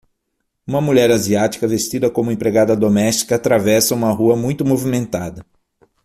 Uma mulher asiática vestida como empregada doméstica atravessa uma rua muito movimentada.